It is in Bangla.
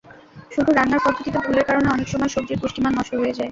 শুধু রান্নার পদ্ধতিতে ভুলের কারণে অনেক সময় সবজির পুষ্টিমান নষ্ট হয়ে যায়।